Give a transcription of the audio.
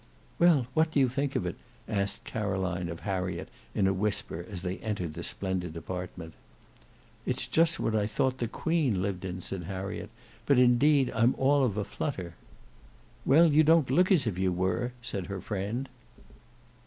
"Well, what do you think of it?" asked Caroline of Harriet in a whisper as they entered the splendid apartment. "It's just what I thought the Queen lived in," said Harriet; "but indeed I'm all of a flutter." "Well, don't look as if you were," said her friend.